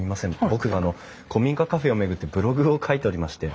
僕あの古民家カフェを巡ってブログを書いておりまして。